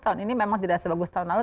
tahun ini memang tidak sebagus tahun lalu